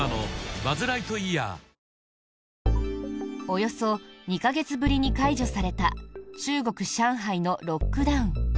およそ２か月ぶりに解除された中国・上海のロックダウン。